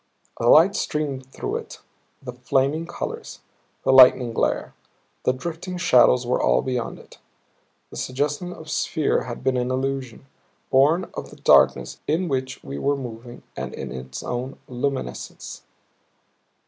The light streamed through it, the flaming colors, the lightning glare, the drifting shadows were all beyond it. The suggestion of sphere had been an illusion, born of the darkness in which we were moving and in its own luminescence.